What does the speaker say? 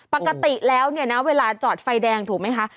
ปกติแล้วเนี่ยนะเวลาจอดไฟแดงถูกไหมคะ